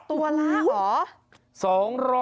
ตัวละเหรอ